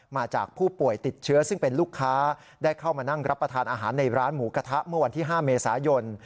มาจากผู้ป่วยติดเชื้อซึ่งเป็นลูกค้าได้เข้ามานั่งรับประทานอาหารในร้านหมูกระทะเมื่อวันที่๕เมษายน